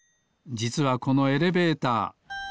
じつはこのエレベーター。